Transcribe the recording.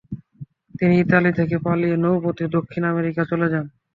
তিনি ইতালি থেকে পালিয়ে নৌপথে দক্ষিণ আমেরিকা চলে যান।